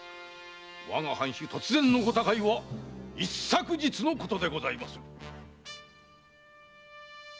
我が藩主突然のご他界は一昨日のことでございまする。